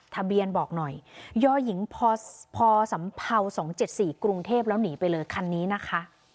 ทะเบียนบอกหน่อยยอหญิงพอสำพาวสองเจ็ดสี่กรุงเทพแล้วหนีไปเลยคันนี้นะคะ